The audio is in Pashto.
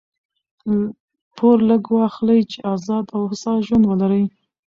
پور لږ واخلئ! چي آزاد او هوسا ژوند ولرئ.